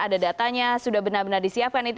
ada datanya sudah benar benar disiapkan itu